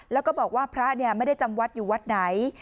แล้วก็บอกว่าพระไม่ได้จำวัดอยู่วัดไหน